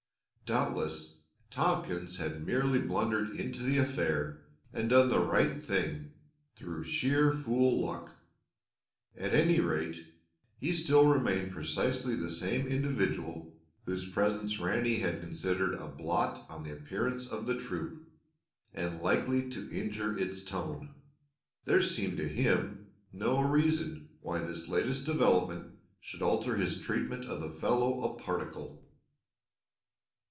Doubtless, Tompkins had merely blundered into the affair and done the right thing through sheer fool luck. At any rate, he still remained precisely the same individual whose presence Ranny had considered a blot on the appearance of the troop and likely to injure its "tone." There seemed to him no reason why this latest development should alter his treatment of the fellow a particle.